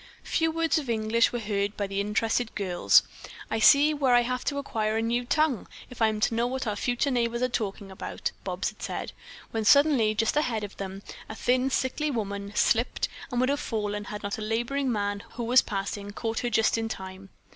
Few words of English were heard by the interested girls. "I see where I have to acquire a new tongue if I am to know what our future neighbors are talking about," Bobs had just said, when, suddenly, just ahead of them, a thin, sickly woman slipped and would have fallen had not a laboring man who was passing caught her just in time.